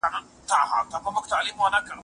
د اوښکو څاڅکو یې